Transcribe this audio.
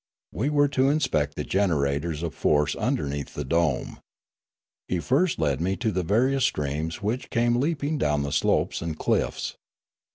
We were to inspect the generators of force underneath the dome. He first led me to the various streams which came leaping down the slopes and cliffs.